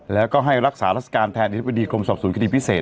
แล้วก็ให้รักษาราชการแทนอธิบดีกรมสอบสวนคดีพิเศษ